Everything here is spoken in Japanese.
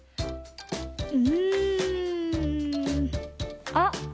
うん。あっ！